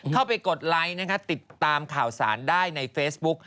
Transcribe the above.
เข้าไปกดไลค์ติดตามข่าวสารได้ในเฟสบุ๊ค